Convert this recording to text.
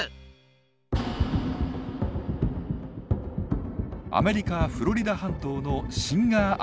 アメリカ・フロリダ半島のシンガーアイランド。